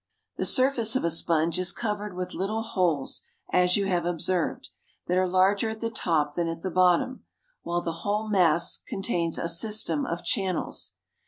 The surface of a sponge is covered with little holes, as you have observed, that are larger at the top than at the bottom, while the whole mass contains a system of channels.